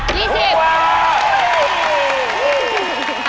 ถูกกว่า๒๐